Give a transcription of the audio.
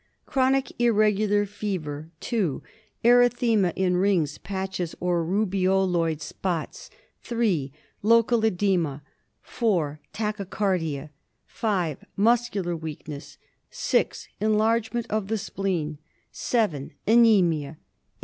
Chronic irregular fever, 2. Erythema in rings, patches, or rubeoloid spots, 3. Local oedema, 4. Tachycardia, 5. Muscular weakness, 6. Enlargement of the spleen, 7. Anemia, 8.